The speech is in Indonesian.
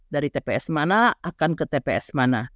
dari tps mana akan ke tps mana